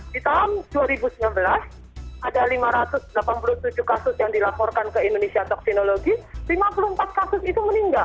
di tahun dua ribu sembilan belas ada lima ratus delapan puluh tujuh kasus yang dilaporkan ke indonesia toksinologi lima puluh empat kasus itu meninggal